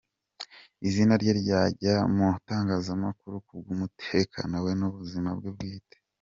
izina rye ryajya mu itangazamakuru ku bwumutekano we nubuzima bwe bwite.